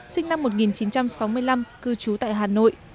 sinh năm một nghìn chín trăm sáu mươi năm cư trú tại hà nội